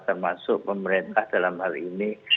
termasuk pemerintah dalam hal ini